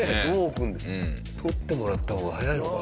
取ってもらった方が早いのか？